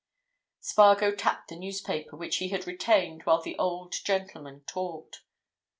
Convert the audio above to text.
Spargo tapped the newspaper, which he had retained while the old gentleman talked.